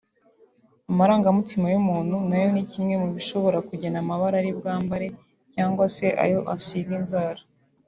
Amarangamutima y’umuntu nayo ni kimwe mu bishobora kugena amabara ari bwambare cyangwa se ayo asiga inzara